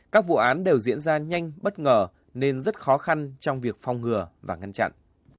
các vụ án đều diễn ra nhanh bất ngờ nên rất khó khăn trong việc phòng ngừa và ngăn chặn